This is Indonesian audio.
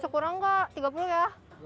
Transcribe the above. sekurang gak tiga puluh ya